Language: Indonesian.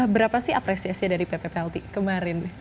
berapa sih apresiasi dari pp pelti kemarin